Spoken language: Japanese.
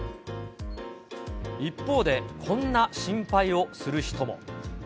一方で、こんな心配をする人も。